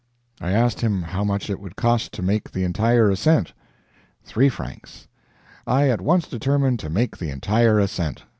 I asked him how much it would cost to make the entire ascent? Three francs. I at once determined to make the entire ascent.